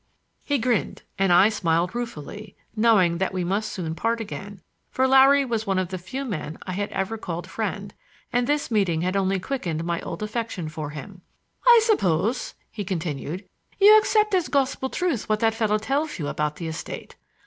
He grinned, and I smiled ruefully, knowing that we must soon part again, for Larry was one of the few men I had ever called friend, and this meeting had only quickened my old affection for him. "I suppose," he continued, "you accept as gospel truth what that fellow tells you about the estate.